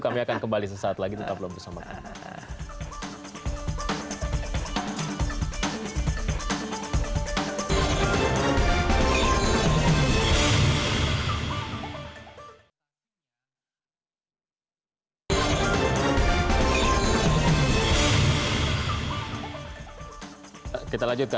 kami akan kembali sesaat lagi tetap bersama sama